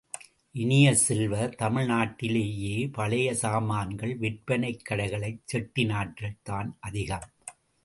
இனிய செல்வ, தமிழ் நாட்டிலேயே பழைய சாமான் விற்பனைக் கடைகள் செட்டி நாட்டில்தான் அதிகம்.